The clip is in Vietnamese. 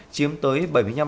chiếm tới bảy mươi năm ba